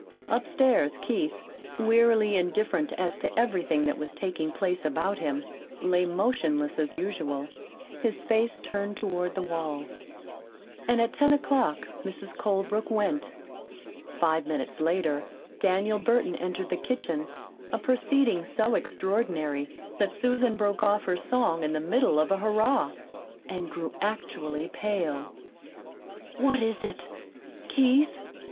Upstairs, Keith, wearily indifferent as to everything that was taking place about him, lay motionless as usual, his face turned toward the wall. And at ten o'clock Mrs. Colebrook went. Five minutes later Daniel Burton entered the kitchen a proceeding so extraordinary that Susan broke off her song in the middle of a "Hurrah" and grew actually pale. "What is it? KEITH?